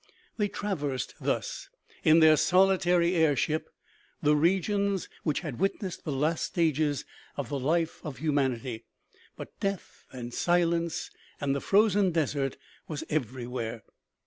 They traversed thus, in their solitary air ship, the regions which had witnessed the last stages of the life of human ity ; but death, and silence, and the frozen desert was everywhere.